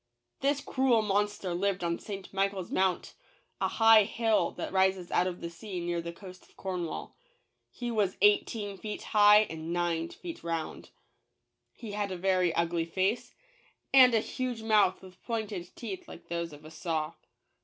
This cruel monster lived on St. Michael's Mount, a high hill that rises out of the sea near the coast of Cornwall. He was eighteen feet high and nine feet round. He had a very ugly face, and a huge mouth with pointed teeth like those of a saw.